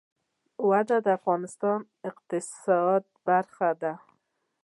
اوړي د افغانستان د اقتصاد برخه ده.